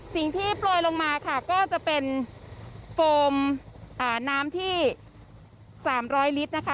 สิ่งที่ปล่วยลงมาก็จะเป็นโฟมน้ำที่๓๐๐ลิตรนะคะ